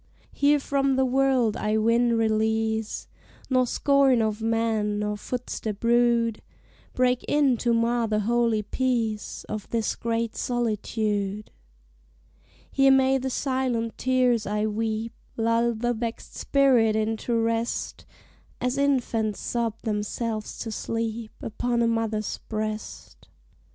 Here from the world I win release, Nor scorn of men, nor footstep rude, Break in to mar the holy peace Of this great solitude. Here may the silent tears I weep Lull the vexed spirit into rest, As infants sob themselves to sleep Upon a mother's breast.